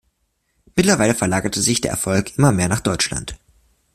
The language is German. Mittlerweile verlagerte sich der Erfolg immer mehr nach Deutschland.